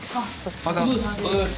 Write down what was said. おはようございます。